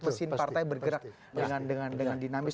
mesin partai bergerak dengan dinamis